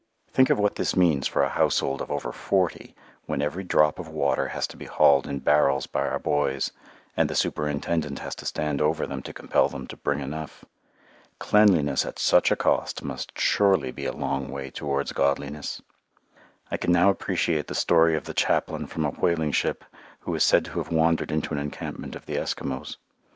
Think of what this means for a household of over forty when every drop of water has to be hauled in barrels by our boys, and the superintendent has to stand over them to compel them to bring enough. Cleanliness at such a cost must surely be a long way towards godliness. I can now appreciate the story of the chaplain from a whaling ship who is said to have wandered into an encampment of the Eskimos.